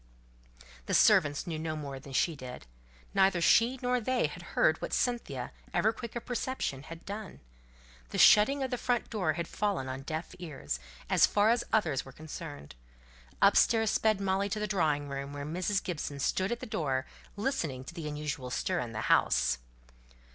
The servants knew no more than she did. Neither she nor they had heard what Cynthia, ever quick of perception, had done. The shutting of the front door had fallen on deaf ears, as far as others were concerned. Upstairs sped Molly to the drawing room, where Mrs. Gibson stood at the door, listening to the unusual stir in the house.